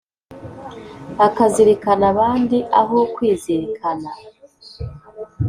akazirikana abandi aho kwizirikana